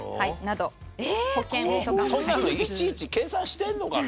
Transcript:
そんなのいちいち計算してるのかな？